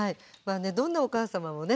どんなお母様もね